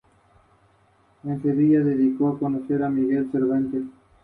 En ciertos lugares se encuentran suelos pesados de drenaje imperfecto.